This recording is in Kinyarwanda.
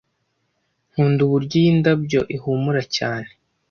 Nkunda uburyo iyi ndabyo ihumura cyane